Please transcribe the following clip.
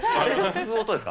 吸う音ですか？